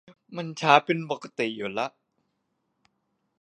มันช้าเป็นปกติอยู่แล้ว